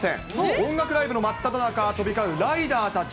音楽ライブの真っただ中、飛び交うライダーたち。